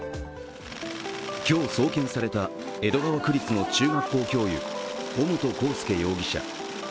今日、送検された江戸川区立の中学校教諭、尾本幸祐容疑者。